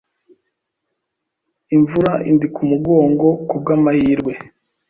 imvura indi ku mugongo kubw’amahirwe